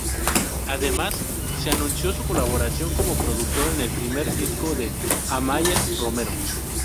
Además, se anunció su colaboración como productor en el primer disco de Amaia Romero.